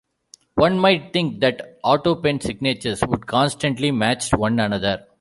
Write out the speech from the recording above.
One might think that autopen signatures would constantly match one another.